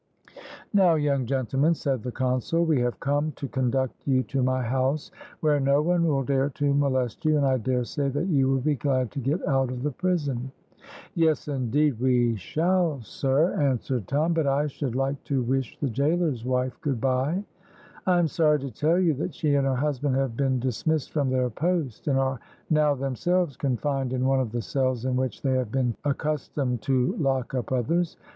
"Now, young gentlemen," said the consul, "we have come to conduct you to my house, where no one will dare to molest you, and I daresay that you will be glad to get out of the prison." "Yes, indeed we shall, sir," answered Tom, "but I should like to wish the gaoler's wife good bye." "I am sorry to tell you that she and her husband have been dismissed from their post, and are now themselves confined in one of the cells in which they have been accustomed to lock up others.